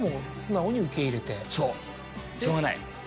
そうしょうがない。